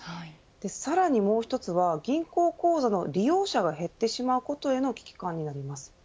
さらにもう一つは銀行口座の利用者が減ってしまうことへの危機感になります。